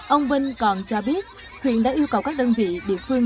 ông vinh còn cho biết huyện đã yêu cầu các đơn vị địa phương